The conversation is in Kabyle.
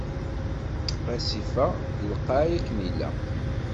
Asif-a lqay akken ilaq.